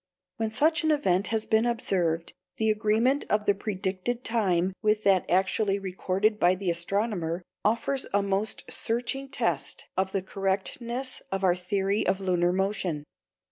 When such an event has been observed, the agreement of the predicted time with that actually recorded by the astronomer offers a most searching test of the correctness of our theory of lunar motion.